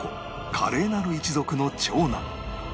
華麗なる一族の長男